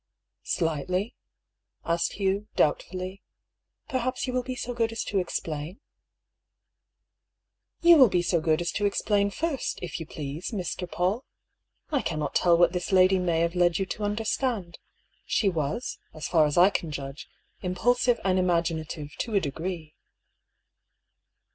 "Slightly?" asked Hugh, doubtfully. "Perhaps you will be so good as to explain ?" "You will be so good as to explain first, if you please, Mr. Paull. I cannot tell what this lady may A MORAL DUEL. 75 have led you to understand. She was, as far as I can judge, impulsive and imaginative to a degree."